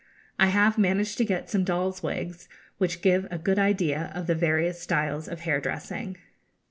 I have managed to get some dolls' wigs, which give a good idea of the various styles of hair dressing.